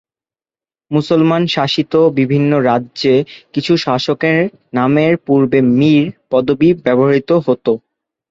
মুসলমান শাসিত বিভিন্ন রাজ্যে কিছু শাসকের নামের পূর্বে "মীর" পদবি ব্যবহৃত হতো।